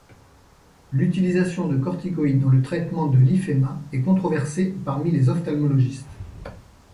L'utilisation de corticoïdes dans le traitement de l'hyphéma est controversée parmi les ophtalmologistes.